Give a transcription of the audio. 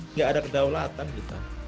nggak ada kedaulatan kita